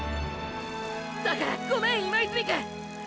だからごめん今泉くん！！